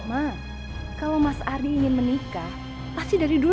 mak kalau mas ardi ingin menikah pasti dari dulu dia sudah lalu